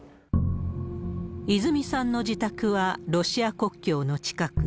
いづみさんの自宅はロシア国境の近く。